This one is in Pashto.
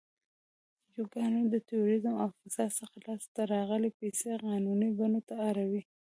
انجوګانې د تروریزم او فساد څخه لاس ته راغلی پیسې قانوني بڼو ته اړوي.